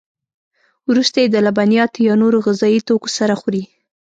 وروسته یې د لبنیاتو یا نورو غذایي توکو سره خوري.